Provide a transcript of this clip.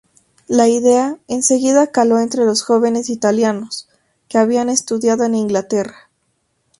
La idea enseguida caló entre los jóvenes italianos que habían estudiado en Inglaterra.